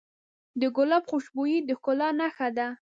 د ګلاب خوشبويي د ښکلا نښه ده.